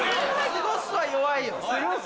「過ごす」は弱い。